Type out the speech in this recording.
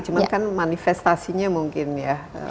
cuma kan manifestasinya mungkin ya